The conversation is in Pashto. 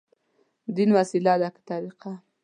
دين وسيله ده، که طريقه؟